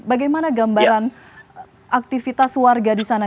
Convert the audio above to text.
bagaimana gambaran aktivitas warga di sana